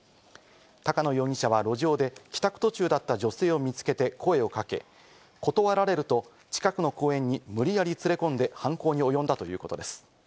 高野容疑者は路上で帰宅途中だった女性を見つけて声をかけ、断られると近くの公園に無理やり連れ込んで犯行に及んだということです。